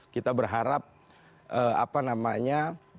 kita berharap apa namanya